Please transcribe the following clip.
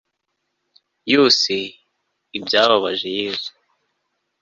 yose, ibyababaje yezu